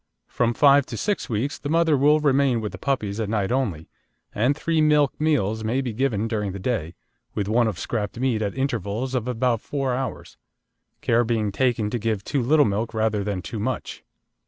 From five to six weeks the mother will remain with the puppies at night only, and three milk meals may be given during the day, with one of scraped meat, at intervals of about four hours, care being taken to give too little milk rather than too much.